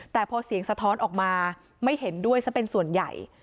แต่พอเสียงสะท้อนออกมาไม่เห็นด้วยซะเป็นส่วนใหญ่